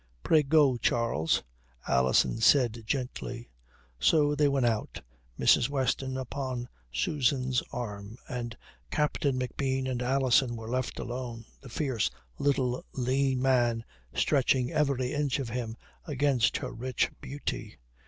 "Pray go, Charles," Alison said gently. So they went out, Mrs. Weston upon Susan's arm, and Captain McBean and Alison were left alone, the fierce little lean man stretching every inch of him against her rich beauty.